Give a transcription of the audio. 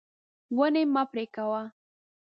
ونې مه پرې کوه.